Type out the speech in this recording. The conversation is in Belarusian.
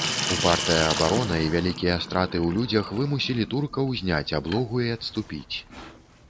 Упартая абарона і вялікія страты ў людзях вымусілі туркаў зняць аблогу і адступіць.